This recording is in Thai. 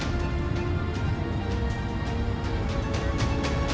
สวัสดีครับคุณผู้ชาย